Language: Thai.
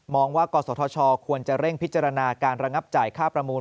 ว่ากศธชควรจะเร่งพิจารณาการระงับจ่ายค่าประมูล